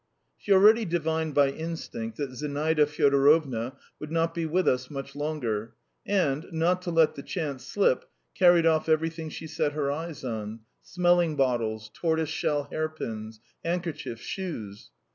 ..." She already divined by instinct that Zinaida Fyodorovna would not be with us much longer, and, not to let the chance slip, carried off everything she set her eyes on smelling bottles, tortoise shell hairpins, handkerchiefs, shoes!